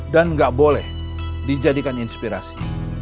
dan nggak boleh dijadikan inspirasi